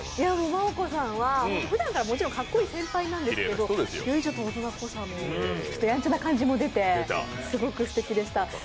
麻音子さんはふだんからかっこいい先輩なんですが、ちょっとやんちゃな感じも出て、すごくすてきでした。